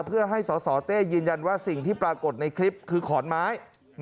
เพื่อให้สสเต้ยืนยันว่าสิ่งที่ปรากฏในคลิปคือขอนไม้